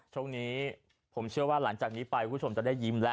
ช่วงนี้ผมเชื่อว่าหลังจากนี้ไปคุณผู้ชมจะได้ยิ้มแล้ว